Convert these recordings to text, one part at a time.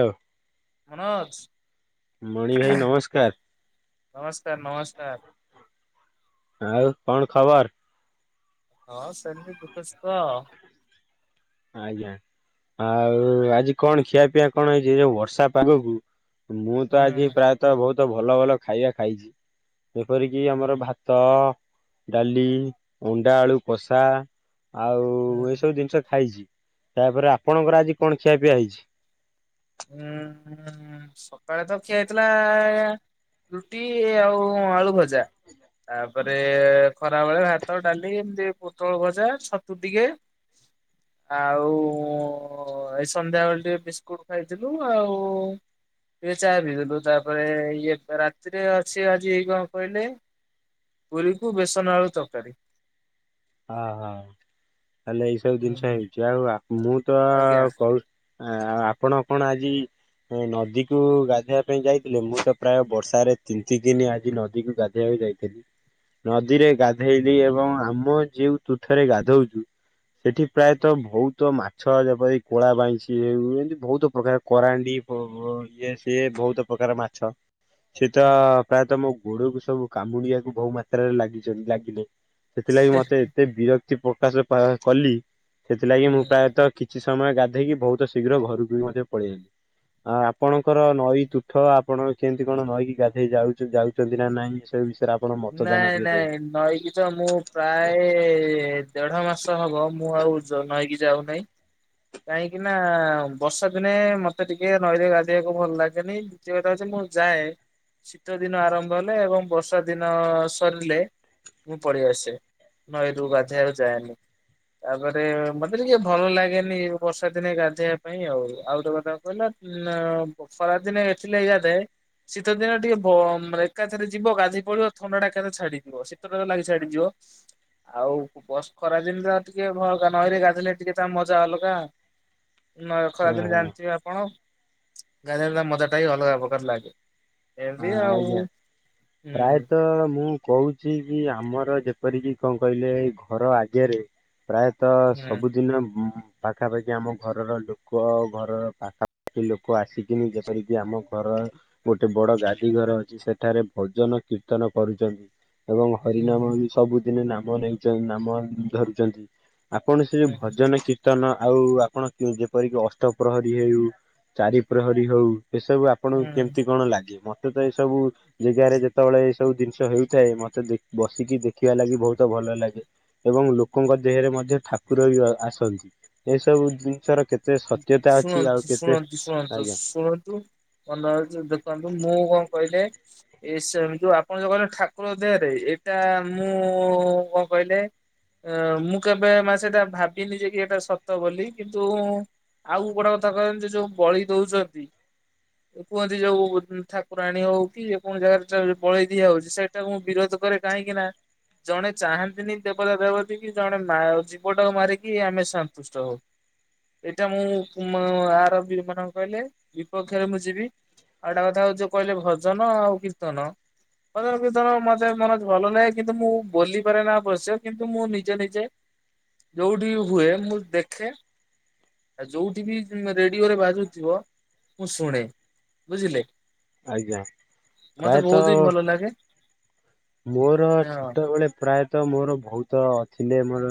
ହଉ ମନୋଜ ମଣି ଭାଇ ନମସ୍କାର ନମସ୍କାର। ଆଉ କଣ ଖବର? ହଁ ସେମିତି, ଦୁଃଖ ସୁଖ ଆଉ ଆଜ୍ଞା, ଆଉ ଆଜି କଣ ଖିଆପିଆ କଣ ହେଇଛି, ଯୋଉ ବର୍ଷା ପାଗକୁ ମୁଁ ତ ଆଜି ହୁଁ ପ୍ରାୟତଃ ବହୁତ ଭଲ ଭଲ ଖାଇବା ଖାଇଛି ଯେପରିକି ଆମର ଭାତ ଡାଲି, ଅଣ୍ଡା ଆଳୁ କଷା। ଆଉ ହୁଁ। ଏଇସବୁ ଜିନିଷ ଖାଇଛି, ତାପରେ ଆପଣଙ୍କର ଆଜି କଣ ଖିଆ ପିଆ ହେଇଛି? ହୁଁ ହୁଁ ହଁ ସକାଳେ ତ ଖିଆ ହେଇଥିଲା, ରୁଟି ଆଉ ଆଳୁ ଭଜା ତାପରେ ଖରାବେଳେ ଭାତ, ଡାଲି ଏମିତି ପୋଟଳ ଭଜା, ଛତୁ ଟିକେ ଆଉ ଏଇ ସନ୍ଧ୍ୟାବେେଳେ ଟିକେ ବିସ୍କୁଟ। କହିଥିଲୁ ଆଉ ଟିକେ ଚା ପିଇଦେଲୁ, ତାପରେ ଇଏ ରାତିରେ ଅଛି ଆଜି କଣ କହିଲେ? ପୁରୀକୁ ବେସନ ଆଳୁ ତରକାରୀ। ଅହୋ, ତାହଲେ ଏଇସବୁ ଜିନିଷ ହୁଁ ହେଇଉଛି ଆଉ ମୁଁ ତ ଆଜ୍ଞା କହୁ ଆ ଆଉ ଆପଣ କଣ ଆଜି? ନଦୀକୁ ଗାଧୋଇବା ପାଇଁ ଯାଇଥିଲେ, ମୁଁ ତ ପ୍ରାୟ ବର୍ଷାରେ ତିନିତି ଦିନ ଆଜି ନଦୀକୁ ଗାଧି କୁ ଯାଇଥିଲି ନଦୀରେ ଗାଧେଇଲି ଏବଂ ଆମ ଯୋଉ ତୁଠରେ ଗାଧଉଛୁ ସେଠି ପ୍ରାୟତଃ ବହୁତ ମାଛ ଯେପରିି- କଳା ବାଇଁଛିି, ହେଉ ଏମିତି ବହୁତ ପ୍ରକାର କରାଣ୍ଡି, ଇଏ ସିଏ ବହୁତ ପ୍ରକାର ମାଛ। ସେ ତ ହୁଁ ପ୍ରାୟତଃ ମୋ ଗୋଡକୁ ସବୁ କାମୁଡିିବାକୁ ବହୁ ମାତ୍ରାରେ ଲାଗି ଲାଗିଲେ। ସେଥିଲାଗି ମତେ ଏତେ ବିରକ୍ତି ପ୍ରକାଶ କଲି, ସେଥିଲାଗି ମୁଁ ହୁଁ। ପ୍ରାୟତଃ କିଛି ସମୟ ଗାଧେଇକି, ବହୁତ ଶୀଘ୍ର ଘରକୁ ବି ମଧ୍ୟ ପଳେଇଆଇଲି। ଆ ଆପଣଙ୍କର ନଈ ତୁଠ ଆପଣ? କେମିତି କଣ ନଈକି ଗାଧେଇ ଯାଉ ଯାଉଛନ୍ତି ନା ନାଇଁ ସେ ବିଷୟରେ ଆପଣ ମତଦାନ ନାଇଁ ଟିକେ ଦେବେ। ନାଇଁ ନଈକି ଛ ମୁଁ ପ୍ରାୟ ଦେଢ ମାସ ହବ, ମୁଁ ଆଉ ନଈକି ଯାଉନାହିଁ। କାହିଁକି ନା ବର୍ଷା ଦିନେ ମତେ ଟିକେ ନଈରେ ଗାଧୋଇବାକୁ ଭଲ ଲାଗେନି। [unintelligible] ମୁଁ ଯାଏ, ଶୀତ ଦିନ ଆରମ୍ଭ ହେଲେ ଏବଂ ବର୍ଷାଦିନ ଦିନ ସରିଲେ ମୁଁ ପଳେଇ ଆସେ, ନଈରୁ ଗାଧେଇକୁ ଯାଏନି। ତାପରେ ମତେ ଟିକେ ଭଲ ଲାଗେନି ବର୍ଷା ଦିନେ ଗାଧେଇବା ପାଇଁ ଆଉ, ଆଉ ଗୋଟେ କଥା କହିଲା ଉ ଖରାଦିନେ ଏଥିଲେ ଇଯା ଦେ ଶୀତ ଦିନ ଟିକେ ଏକାଥରେ ଯିବ ଗାଧୋଇ ପିବ ଥଣ୍ଡାଟା କେତେ ଛାଡିଯିବ, ଶୀତଟା ଲାଗି ଛାଡିଯିବ। ଆଉ ବସ୍ ଖରା ଦିନି ଆ ଟିକେ ଭଲକା ନଈରେ ଗାଧେଇଲେ, ଟିକେ ତା ମଜା ଅଲଗା। ନ ଖରାଦିନ ହଁ ଜାଣିଥିବେ ଆପଣ? ଗା ମଜା ଟା ହି ଅଲଗା ପ୍ରକାର ଲାଗେ। ଏମିତି ହଁ ଆଉ ଆଜ୍ଞା। ପ୍ରାୟତଃ ମୁଁ କହୁଛି କି ଆମର ଯେପରିକି କଣ କହିଲେ? ଘର ଆଗରେ ପ୍ରାୟତଃ ହୁଁ ସବୁଜିନମ ହୁଁ ପାଖାପାଖି ଆମ ଘରର ଲୋକ ଘରର ପାଖାପାଖି ଲୋକ ଆସିକିନି ଯେପରିକି ଆମ ଘର ଗୋଟେ ବଡ ଗା କି ଘର ଅଛି ସେଠାରେ ଭଜନ କୀର୍ତ୍ତନ କରୁଛନ୍ତି ଏବଂ ହୁଁ ହରିନାମ ବି ସବୁ ଦିନେ ନାମ ନେଇଛନ୍ ନାମ ଧରିଛନ୍ତି ଆପଣ ସେ ହୁଁ ଭଜନ କି କିର୍ତ୍ତନ ଆଉ ଆପଣ ଯେପରିକି ଅଷ୍ଟ ପ୍ରହରୀ ହେଉ ଚାରି ପ୍ରହରୀ ହୋଉ ଏସବୁ ଆପଣଙ୍କୁ ହୁଁ। କେମିତି କଣ ଲାଗେ ମତେ ତ ଏସବୁ ଯେଗାରେ ଯେତେବେଳେ ଏ ସବୁ ଜିନିଷ ହେଉଥାଏ ମତେ ବସିକି ଦେଖିବା ଲାଗି ବୋହୁତ ଭଲ ଲାଗେ। ଏବଂ ଲୋକଙ୍କ ଦେହରେ ମଧ୍ୟ ଠାକୁର ବି ଆସନ୍ତି ଏସବୁ ଜିନିଷର କେତ ଶୁଣୁନ୍ତୁ, ଶୁଣନ୍ତୁ, ଶୁଣନ୍ତୁ, ଆଜ୍ଞା ଶୁଣନ୍ତୁ। ଭଲ [unintelligible] ଦେଖନ୍ତୁ ମୁଁ କଣ କହିଲେ ଏ ସେମ ଟୁ ଯୋଉ ଆପଣ ଯୋଉ କହରେ ଠାକୁର ଦେହରେ ଏଇଟା ମୁଁ କଣ କହିଲେ ମୁଁ କେବେ ମା ସେଟା ଭାବିନି ଯେ କି ଏଟା ସତ ବୋଲି କିନ୍ତୁ ଆଉ ଗୋଟେ କଥା କହେଲେ ସେ ଯୋଉ ବଳି ଦୋଉଛନ୍ତି ହ କୁହନ୍ତି ଯୋଉ ଠାକୁରାଣୀ ହଉ କି ଯେ କୌଣସି ଜାଗାରେ ଚା ବଳି ଦିଆ ହଉଛି ସେଇଟାକୁ ମୁଁ ବିରୋଧ କରେ କାହିଁକି ନା ଜଣେ ଚାହାନ୍ତିନି ଦେବତା ଦେବତୀ କି ଜଣେ ମା ଜୀବଟାକୁ ମାରିକି ଆମେ ସନ୍ତୁଷ୍ଟ ହଉ। ଏଇଟା ମୁଁ ଉଁମ ଆର ବି ମାନେ କନ୍ କହିଲେ ବିପକ୍ଷରେ ମୁଁ ଯିବି। ଆଉଟା କଥା ଯୋଉ କହିଲେ ଭଜନ ଆଉ କୀର୍ତ୍ତନ ମ ଧର ମତେ ମନ ଭଲ ଲାଗେ କିନ୍ତୁ ମୁଁ ବ ପାରେ ନା ଅବଶ୍ୟ କିନ୍ତୁ ମୁଁ ନିଜେ ନିଜେ ଯୋଉଠି ହୁଏ ମୁଁ ଦେଖେ। ଆଉ ଯୋଉଠି ବି ରେଡିଓରେ ବାଜୁଥିବ ମୁଁ ଶୁଣେ ବୁଝିଲେ। ଆଜ୍ଞା ମତେ ବହୁତ ପ୍ରାୟତଃ ହି ଭଲ ଲାଗେ। ମୋର ହଁ। ଛୋଟବେଳେ ପ୍ରାୟତଃ ମୋର ବୋହୁତ ଥିଲେ ମୋର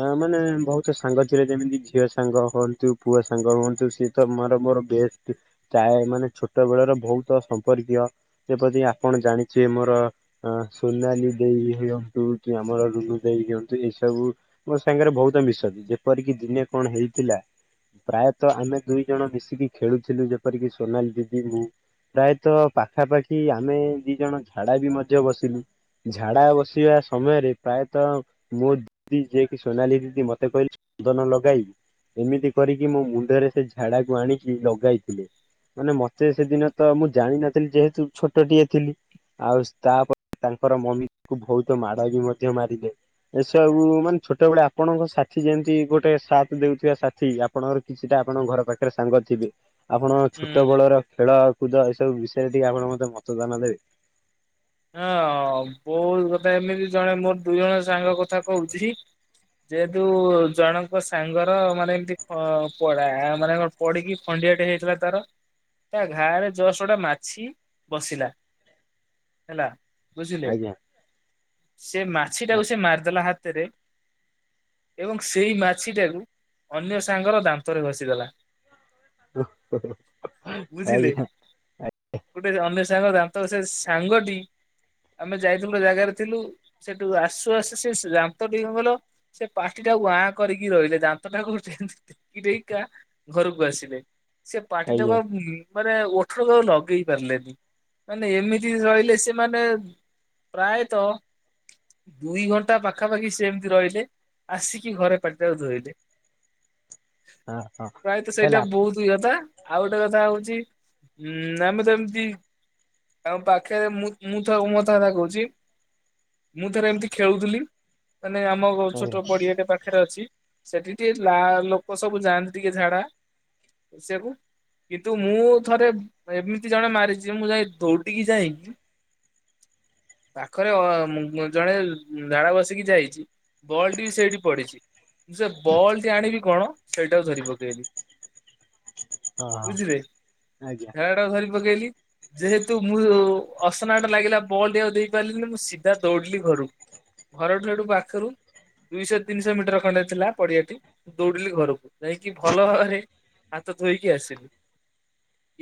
ହ ମାନେ ବୋହୁତ ସାଙ୍ଗ ଥିଲେ ଯେମିତି ଝିଅ ସାଙ୍ଗ ହୁଅନ୍ତୁ ପୁଅ ସାଙ୍ଗ ହୁଅନ୍ତୁ ସେ ତମୋର ମୋର ବେଷ୍ଟ୍ ଚାଏ ଏ ଛୋଟ ବେଳର ବୋହୁତ ସମ୍ପର୍କୀୟ। ଜେପଦି ଆପଣ ଜାଣିଛେ ମୋର ଅ ସୋନାଲି ଦେଇ ହିଅନ୍ତୁ କି ଆମର ରୁନୁ ଦେଇ ହିଅନ୍ତୁ ଏସବୁ ମୋ ସାଙ୍ଗରେ ବହୁତ ମିଶନ୍ତି ଯେପରିକି ଦିନେ କଣ ହେଇଥିଲା ପ୍ରାୟତଃ ଆମେ ଦୁଇ ଜଣ ମିଶିକି ଖେଳୁଥିଲୁ ଯେପରିକି ସୋନାଲି ଦିଦି ମୁଁ। ପ୍ରାୟତଃ ପାଖାପାଖି ଆମେ ଦି ଜଣ ଝାଡା ବି ମଧ୍ୟ ବସିଲୁ। ଝାଡା ବସିବା ସମୟରେ ପ୍ରାୟତଃ ମୋ ଦିଦି ଯିଏକି ସୋନାଲି ଦିଦି ମତେ କହିଲେ ଚନ୍ଦନ ଲଗାଇ ଏମିତି କରିକି ମୋ ମୁଣ୍ଡରେ ସେ ଝାଡାକୁ ଆଣିକି ଲଗାଇଥିଲେ। ମାନେ ମତେ ସେଦିନ ତ ମୁଁ ଜାଣିନଥିଲି ଯେହେତୁ ଛୋଟଟିଏ ଥିଲି ଆଉ ତାପରେ ତାଙ୍କର ମମି ତାକୁ ବହୁତ ମାଡ ବି ମଧ୍ୟ ମାରିଲେ। ଏସବୁ ମାନେ ଛୋଟବେଳେ ଆପଣଙ୍କ ସାଥିୀ ଯେମିତି ଗୋଟେ ସାଥ ଦଉଥିବା ସାଥି ଆପ ଆପଣଙ୍କର କିଛିଟା ଆପଣଙ୍କ ଘର ପାଖରେ ସାଙ୍ଗ ଥିବେ। ଆପଣ ଛୋଟ ହୁଁ ବଳର ଖେଳ କୁଦ ଏସବୁ ବିଷୟରେ ଟିକେ ଆପଣ ମତେ ମତଦାନ ଦେବେ? ହଁ ବୋହୁ କଥା ଏମିତି ଜଣେ ମୋର ଦୁଇ ଜଣ ସାଙ୍ଗ କଥା କୋହୁଚି। ଯେହେତୁ ଜଣଙ୍କ ସାଙ୍ଗର ମାନେ ଏମ୍ତି ପଡା ମାନେ କଁ ପଡିକି ଖଣ୍ଡିଆଟେ ହେଇଯାଥିଲା ତାର ତା ଘା ରେ ଜଷ୍ଟ୍ ଗୋଟେ ମାଛି ବସିଲା। ହେଲା ବୁଝିଲେ ଆଜ୍ଞା। ସେ ମାଛି ଟାକୁ ସେ ମାରିଦେଲା ହାତେରେ। ଏବଂ ସେଇ ମାଛିଟାକୁ ଅନ୍ୟ ସାଙ୍ଗର ଦାନ୍ତରେ ଘଷିଦେଲା। ବୁଝିଲେ? ଆଜ୍ଞା ଗୋଟେ ଅନ୍ୟ ସାଙ୍ଗ ଦାନ୍ତ ସେ ସାଙ୍ଗଟି ଆମେ ଯାଇଥିଲ ଜାଗାରେ ଥିଲୁ ସେଠୁ ଆସୁ ଆସୁ ସେ ଦାନ୍ତ ଟିକ କଣ କହିଲା ସେ ପାଟି ଟାକୁ ଆଁ କରିକି ରହିଲେ ଦାନ୍ତ ଟା କୁ ଗୋଟେ ଇ ଟେକିକା ଘରୁକୁ ଆସିଲେ। ସେ ପାଟି ଟାକୁ ଆଜ୍ଞା ମାନେ ଓଠରକୁଉ ଲଗେଇ ପାରିଲେନି। ମାନେ ଏମିତି ରହିଲେ ସେମାନେ ପ୍ରାୟତଃ! ଦୁଇ ଘଣ୍ଟା ପାଖାପାଖି ସେମ୍ତି ରହିଲେ ଆସିକି ଘରେ ପାଟିଟାକୁ ଧୋଇଲେ। [inaudible] ହଁ ହଁ ପ୍ରାୟତଃ ହେଲା। ସେଇଟା ବହୁତ ଦୁଇବା ପା ଆଉ ଗୋଟେ କଥା ହୋଉଚି ଉଁ ଆମେ ତ ଏମ୍ତି ତାଙ୍କ ପାଖରେ ମୁଁ ମୁଁ ଥାଉ ମୁଁ ଅଧା ଅଧା କୋହୁଚି ମୁଁ ଥରେ ଏମିତି ଖେଳୁଥିଲି। ମାନେ ଆମ ଆଜ୍ଞା ଛୋଟ ପଡିଆଟେ ପାଖେରେ ଅଛି। ସେଠି ଟିକେ ଲା ଲୋକ ସବୁ ଯାଆନ୍ତି ଟିକେ ଝାଡା ବସିଆକୁ। କିନ୍ତୁ ମୁଁ ଥରେ ଏମିତି ଜଣେ ମାରିଚି ମୁଁ ଯାଇ ଦୌଡିକି ଯାଇକି ପାଖରେ ଅ, ଜଣେ ଝାଡା ବସିକି ଯାଇଚି। ବଲ୍ ଟି ବି ସେଇଠି ପଡିଚି ମୁଁ ସେ ବଲ୍ ଟି ଆଣିବି କଣ ସେଇଟା କୁ ଧରି ପକେଇଲି। [unintelligible] ହଁ ବୁଝିଲେ, ଆଜ୍ଞା ଝାଡା ଟାକୁ ଧରି ପକେଇଲି, ଯେହେତୁ ମୁଁ ଅସନାଟା ଲାଗିଲା ବଲ୍ ଟି ଆଉ ଦେଇ ପାରିଲିନି। ମୁଁ ସିଧା ଦୌଡିଲି ଘରୁକୁ। ଘରଠୁ ହେଠୁ ପାଖରୁ ଦୁଇଶହ ତିନିଶହ ମିଟର ଖଣ୍ଡେ ଥିଲା ପଡିଆଟି ଦୌଡିଲି ଘରକୁ। ଯାଇକି ଭଲ ଭାବରେ ହାତ ଧୋଇକି ଆସିଲି,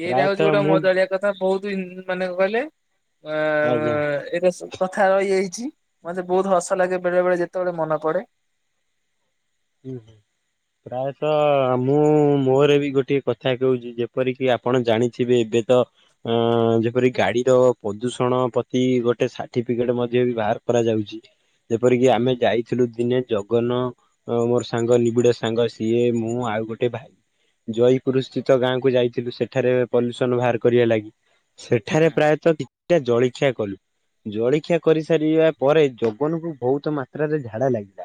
ଏଇଟା ହଉଚି ପ୍ରାୟତଃ ଗୋଟେ ମୁଁ ମଜାଳିଆ କଥା ବହୁତ ଇ ମାନେ କଲେ ଅଁ ଆଜ୍ଞା। ଅଁ ଏଟା ସ କଥା ରହିଯାଇଚି, ମତେ ବହୁତ ହସ ଲାଗେ ବେଳେ ବେଳେ ଯେତେବେଳେ ମନେ ପଡେ। କି ହଁ ପ୍ରାୟତଃ ମୁଁ ମୋର ବି ଗୋଟେ କଥା କୋହୁଚି, ଯେପରିକି ଆପଣ ଜାଣିଥିବେ ଏବେ ତ ଅଁ ଯେପରି ଗାଡିର ପ୍ରଦୂଷଣ ପ୍ରତି ଗୋଟେ ସାର୍ଟିଫିକେଟ୍ ମଧ୍ୟ ବି ବାହାର୍- କରାଯାଉଚି। ଯେପରିକି ହୁଁ ଆମେ ଯାଇଥିଲୁ ଦିନେ ଜଗନ ଆଉ ମୋର୍ ସାଙ୍ଗ ନିବିଡ଼ ସାଙ୍ଗ ସିଏ ମୁଁ ଆଉ ଗୋଟେ ଭାଇ। ଜୟପୁର ସ୍ଥିତ ଗାଁକୁ ଯାଇଥିଲୁ ସେଠାରେ ପଲ୍ୟୁସନ ବାହାର କରିବା ଲାଗି। ସେଠାରେ ହୁଁ ପ୍ରାୟତ ଦିଟା ଜଳିଖିଆ କଲୁ। ଜଳଖିଆ କରିସାରିବା ପରେ ଜଗନକୁ ବୋହୁତ ମାତ୍ରାରେ ଝାଡା ଲାଗିଲା।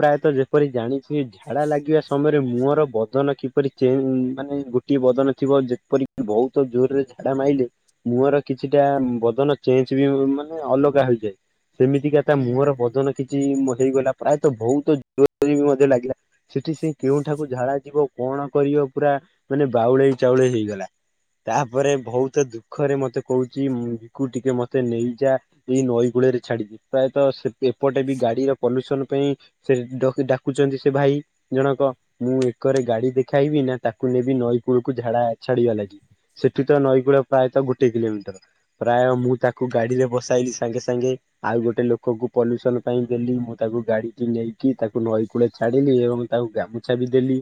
ପ୍ରାୟତ ଯେପରି ଜାଣିଚି ଝାଡ଼ା ଲାଗିବା ସମୟରେ ମୁହର ବଦନ କିପରି ଯେଉଁ ମାନେ ଗୋଟିଏ ବଦନ ଥିବ ଯେପରିକି ବୋହୁତ ଜୋରରେ ଝାଡା ମାଇଲେ ମୁହର କିଛିଟା ବଦନ ଚେଞ୍ଜ ବି ମାନେ ଅଲଗା ହେଇଯାଏ। ସେମିତିକା ତା ମୁହଁର ହୁଁ ବଦନ କିଛି ମ ହେଇଗଲା। ପ୍ରାୟତ ବୋହୁତ ଜୋରେ ବି ମଧ୍ୟ ଲାଗିଲା। ସେଠି ସେ କେଉଁଠାକୁ ଝାଡା ଯିବ କଣ କରିବ ପୁରା ମାନେ ବାଉଳେଇ ଚାଉଳେଇ ହେଇଗଲା। ତା ପରେ ଭହୁତ ଦୁଃଖରେ ମତେ କୋହୁଚି ମୁମ୍ କୁ ଟିକେ ମତେ ନେଇଯା। ଏଇ ନଈ କୂଳରେ ଛାଡିଚି, ପ୍ରାୟତ ସେ ଏପଟେ ବି ଗାଡିର ପଲ୍ୟୁସନ୍ ପାଇଁ ସେ ଡକ୍ ଡାକୁଚନ୍ତି ସେ ଭାଇ। ଜଣକ ମୁଁ ଏକରେ ଗାଡି ଦେଖାଇବି ନା ତାକୁ ନେବି ନଈ କୂଳକୁ ଝାଡ଼ା ଛାଡିବା ଲାଗି। ସେଠି ତ ନଈ କୂଳ ପ୍ରାୟତ ଗୁଟେ କିଲୋମିଟର। ପ୍ରାୟ ମୁଁ ତାକୁ ଗାଡିରେ ବସାଇଲି ସାଙ୍ଗେ ସାଙ୍ଗେ। ଆଉ ଗୋଟେ ଲୋକକୁ ପଲ୍ୟୁସନ୍ ପାଇଁ ଦେଲି ମୁଁ ତାକୁ ଗାଡି କି ନେଇ କି ତାକୁ ନଈ କୂଳେ ଛାଡିଲି, ଏବଂ ତାକୁ ଗାମୁଛା ବି ଦେଲି।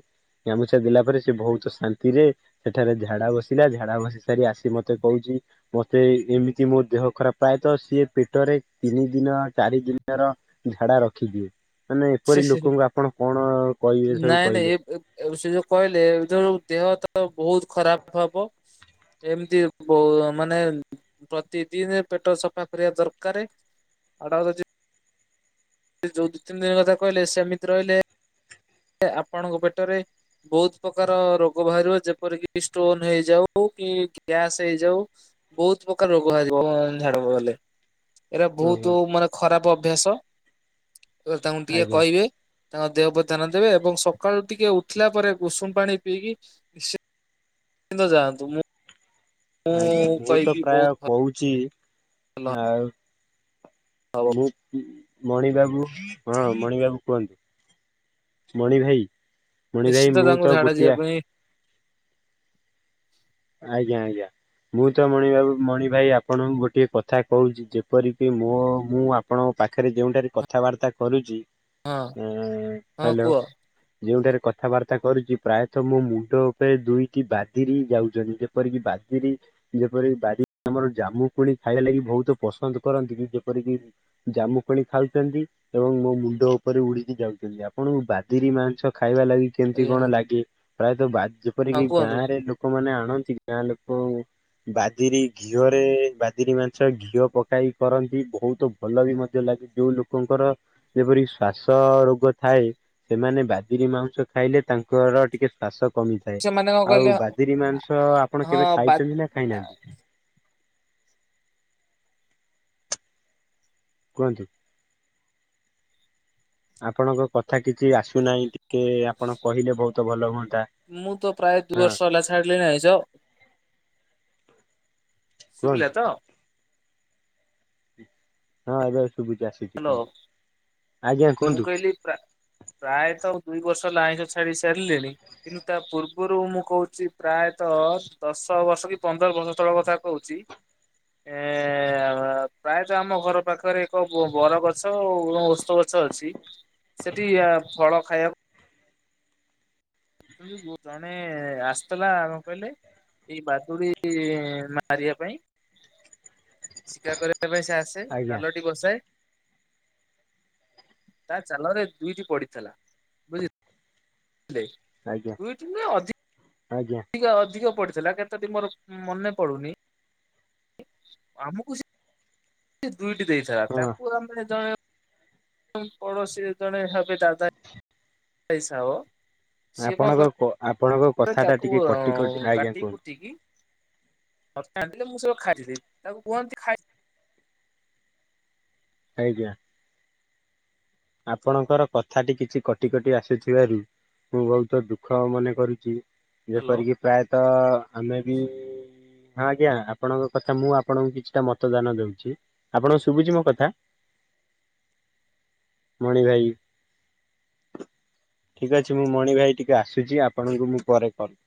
ଗାମୁଛା ଦେଲା ପରେ ସେ ଭଉତୁ ଶାନ୍ତି ରେ ସେଠାରେ ଝାଡା ବସିଲା। ଝାଡା ବସି ସାରି ଆସି ମୋତେ କହୁଚି ମତେ ଏମିତି ମୋ ଦେହ ଖରାପ ପ୍ରାୟତ। ସିଏ ପେଟରେ ତିନି ଦିନ ଚାରି ଦିନର ଝାଡା ରଖିକି ମାନେ ଏପରି ସେ ଲୋକଙ୍କୁ ଆପଣ କଣ କହିବେ ସବୁ ନାଇଁ ନାଇଁ ଏ କହିଲେ। ଏ ଏ ସେ ଯୋଉ କହିଲେ ଏ ଯୋ ଦେହ ହତ ବହୁତ ଖରାପ ହବ। ଏମତି ବୋ ମାନେ ପ୍ରତିଦିନ ପେଟ ସଫା କରିବା ଦରକାର। [unintelligible] ଯୋଉ ଦୁଇ ତିନି ଦିନ କଥା କହିଲେ ସେମିତି ରହିଲେ ଆପଣଙ୍କ ପେଟରେ ବହୁତ ପ୍ରକାର ରୋଗ ବାହାରିବ ଯେପରିକି ଷ୍ଟୋନ ହେଇଯାଉ କି ଗ୍ୟାସ ହେଇଯାଉ। ବହୁତ ପ୍ରକାର ରୋଗ ବାହାରିବ ଝାଡ ନଗଲେ। ଏଇଟା ଓହୋ ବହୁତ ମାନେ ଖରାପ ଅଭ୍ୟାସ। ଏ ତାଙ୍କୁ ଟିକେ ଆଜ୍ଞା। କହିବେ। ତାଙ୍କ ଦେହ ପ୍ରତି ଧ୍ୟାନ ଦେବେ। ଏବଂ ସକାଳୁ ଟିକେ ଉଠିଲା ପରେ ଉଷୁମ ପାଣି ପିଇକି ସେ କିନ୍ତୁ ଯାଆନ୍ତୁ ମୁଁ ଆଜ୍ଞା ମୁଁ ତ କହିବି ପ୍ରାୟ ବହୁତ କହୁଛି। ଭଲ ଆଉ ହବ ମୁଁ ମଣି ବାବୁ ହଁ ମଣି ବାବୁ କୁହନ୍ତୁ ମଣି ଭାଇ। ମଣି ଭାଇ ନିଶ୍ଚିନ୍ତ ମୁଁ ତାଙ୍କୁ ତ ଝାଡା ଯିବା ଗୋଟିଏ ପାଇଁ ଆଜ୍ଞା ଆଜ୍ଞା‌। ମୁଁ ତ ମଣିବାବୁ ମଣିଭାଇ ଆପଣଙ୍କୁ ଗୋଟିଏ କଥା କହୁଛି। ଯେପରିକି ମୋ ମୁଁ ଆ ଆପଣଙ୍କ ପାଖରେ ଯେଉଠାରେ କଥାବାର୍ତ୍ତା କରୁଛି। ହଁ ଉ ହଁ ହାଲୋ। କୁହ ଯୋଉଠାରେ କଥାବାର୍ତ୍ତା କରୁଛି। ପ୍ରାୟତ ମୋ ମୁଣ୍ଡ ଉପରେ ଦୁଇଟି ବାଦିରି ଯାଉ ଯେପରିକି ବାଦିରି ଯେପରିକି ବାରି ଆମର ଜାମୁକୋଳି ଖାଇବା ଲାଗି ବହୁତ ପସନ୍ଦ କରନ୍ତି। ଯେପରିକି ଜାମୁକୋଳି ଖାଉଛନ୍ତି। ଏବଂ ମୋ ମୁଣ୍ଡ ଉପରେ ଉଡିକି ଯାଉଛନ୍ତି। ଆପଣଙ୍କୁ ବାଦିରି ମାଂସ ଖାଇବା ଲାଗି କେମତି ଆଜ୍ଞା କଣ ଲାଗେ। ପ୍ରାୟତଃ ବା ହଁ ଯେପରିକି କୁହନ୍ତୁ ଗାଁରେ ଲୋକମାନେ ଆଣନ୍ତି ଗାଁ ଲୋକ ବାଦିରି ଘିଅରେ ବାଦିରି ମାଂସ ଘିଅ ପକାଇ କରନ୍ତି। ବହୁତ ଭଲ ବି ମଧ୍ୟ ଲାଗେ। ଯୋଉ ଲୋକଙ୍କର ଯେପରି ଶ୍ଵାସ ରୋଗ ଥାଏ। ସେମାନେ ବଦିରି ମାଉଂସ ଖାଇଲେ ତାଙ୍କର ଟିକେ ଶ୍ୱାସ କମିଥାଏ। ସେମାନେ କଣ ଆଉ କହିଲେ ବାଦିରୀ ମାଂସ ଆପଣ ହଁ କେବେ ବା ଖାଇଛନ୍ତି ନା ଖାଇନାହାନ୍ତି? କୁହନ୍ତୁ? ଆପଣଙ୍କ କଥା କିଛି ଆସୁନାହିଁ। ଟିକେ ଆପଣ କହିଲେ ବହୁତ ଭଲ ହୁଅନ୍ତା। ମୁଁ ତ ପ୍ରାୟ ଦୁଇ ହଁ ବର୍ଷ ହେଲା ଛାଡିଲିଣି ଆଇଁଷ। ଶୁବିଲା କୁହନ୍ତୁ ତ। ହଁ ଏବେ ଶୁବୁଛି ଆସୁଛି ହ୍ୟାଲୋ କୁହନ୍ତୁ ଆଜ୍ଞା ମୁଁ କୁହନ୍ତୁ। କହିଲି ପ୍ରା ପ୍ରାୟତଃ ଆଉ ଦୁଇ ବର୍ଷ ଆଇଁଷ ଛାଡି ସାରିଲିଣି? କିନ୍ତୁ ତା ପୂର୍ବରୁ ମୁଁ କହୁଛି ପ୍ରାୟତଃ ଦଶ ବର୍ଷ କି ପନ୍ଦର ବର୍ଷ ତଳ କଥା କହୁଛି ଛି ଏ ପ୍ରାୟତଃ ଆମ ଘର ପାଖରେ ଏକ ମୋ ବର ଗଛ ଉ ଓସ୍ତ ଗଛ ଅଛି ସେଠି ଆ ଫଳ ଖାଇବାକୁ ମାନେ ଆସିଥିଲା କଣ କହିଲେ ଏଇ ବାଦୁଡି ଇ ମାରିବା ପାଇଁ ଶିକାର କରି ଶିକାର କରିବା ପାଇଁ ଆସେ ଆଜ୍ଞା ଜାଲଟି। ରେ ବସାଏ ତା ଚାଲରେ ଦୁଇଟି ପଡିଥିଲା। ଠେ ଆଜ୍ଞା ଆଜ୍ଞା। ଟିକେ ଅଧିକ ପଡିିଥିଲା କେତେଟି ମୋର ମନେ ପଡୁନି। ଆମକୁ ସେ ସେ ଦୁଇଟି ଦେଇଥିଲା। ହଁ ତାକୁ ଆମେ ଜଣେ ପଡ଼ୋଶୀ ଜଣେ ହେବେ ଦାଦା ହିସାବ। ସିଏ କଣ ଆପଣଙ୍କ କ ଆପଣଙ୍କ କଥା ଟା ତାକୁ ଟିକେ କଟି କଟି ଆଁ ଆଜ୍ଞା କାଟି କୁହନ୍ତୁ କୁଟିକି ହ ତାଲେ ମୁଁ ସବୁ ଖାଇଥିଲି ତାଙ୍କୁ କୁହନ୍ତି ଖାଇ ଆଜ୍ଞା। ଆପଣଙ୍କର କଥାଟି କିଛି କଟି କଟି ଆସୁଥିବାରୁ ମୁଁ ବହୁତ ଦୁଃଖ ମନେ କରୁଛି। ହ୍ୟାଲୋ ଯେପରିକି ପ୍ରାୟତଃ ଆମେ ବି ହଁ ଆଜ୍ଞା ଆପଣଙ୍କ କଥା ମୁଁ ଆପଣଙ୍କୁ କିଛିଟା ମତଦାନ ଦଉଛି ଆପଣଙ୍କୁ ଶୁଭୁଛି ମୋ କଥା ମଣି ଭାଇ ଠିକ ଅଛି ମୁଁ ମଣି ଭାଇ ଟିକେ ଆସୁଛି ଆପଣଙ୍କୁ ମୁଁ ପରେ କଲ